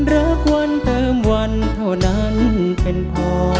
รักวันเติมวันเท่านั้นเป็นพอ